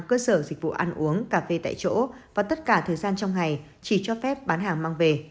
cơ sở dịch vụ ăn uống cà phê tại chỗ và tất cả thời gian trong ngày chỉ cho phép bán hàng mang về